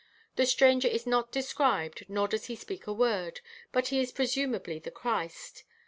The stranger is not described, nor does he speak a word, but he is presumedly the Christ.